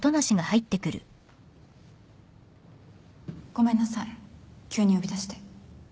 ごめんなさい急に呼び出して。